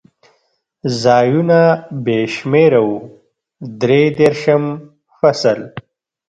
ځایونه بې شمېره و، درې دېرشم فصل.